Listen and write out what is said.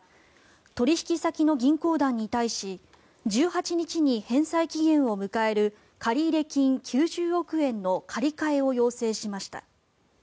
取引先の銀行団に対し１８日に返済期限を迎える借入金９０億円の借り換えを要請しました。